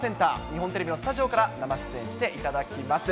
日本テレビのスタジオから生出演していただきます。